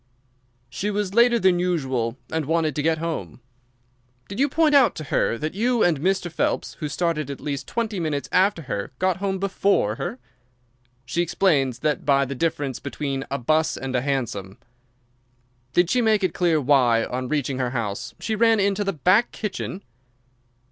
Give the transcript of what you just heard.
"She was later than usual and wanted to get home." "Did you point out to her that you and Mr. Phelps, who started at least twenty minutes after her, got home before her?" "She explains that by the difference between a 'bus and a hansom." "Did she make it clear why, on reaching her house, she ran into the back kitchen?"